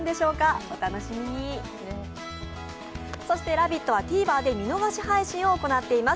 「ラヴィット！」はＴＶｅｒで見逃し配信を行っています。